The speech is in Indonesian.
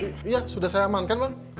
iya sudah saya amankan bang